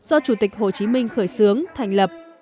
do chủ tịch hồ chí minh khởi xướng thành lập